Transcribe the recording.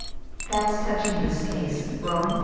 FACTS TOUCHING THIS CASE. ROME.